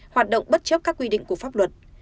hoạt động bất chấp các quy định của pháp luật